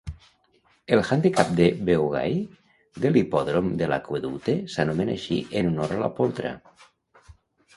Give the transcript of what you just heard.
El handicap de Beaugay de l'Hipòdrom de l'Aqüeducte s'anomena així en honor a la poltra.